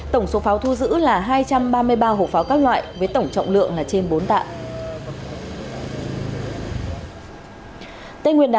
tổng số pháo thu giữ là hai trăm ba mươi ba hộp pháo các loại với tổng trọng lượng là trên bốn tạ